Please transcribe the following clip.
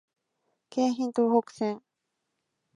京浜東北線